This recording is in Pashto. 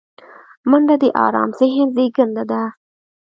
منډه د آرام ذهن زیږنده ده